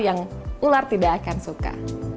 yang ular tidak akan suka